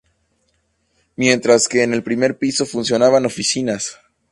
Mientras que en el primer piso funcionaban oficinas.